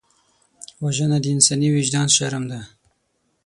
وژنه د انساني وجدان شرم ده